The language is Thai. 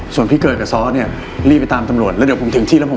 ส่วนพี่เกิดกับซ้อเนี่ยรีบไปตามตำรวจแล้วเดี๋ยวผมถึงที่แล้วผม